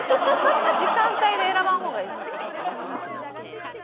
時間帯で選ばん方がいいですよ。